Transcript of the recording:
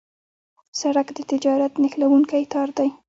سړک د تجارت نښلونکی تار دی.